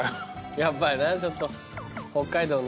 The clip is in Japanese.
やっぱりなちょっと。